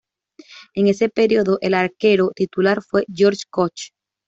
En ese periodo el arquero titular fue Georg Koch.